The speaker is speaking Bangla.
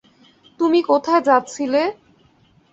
তুমি কোথায় যাচ্ছিলে?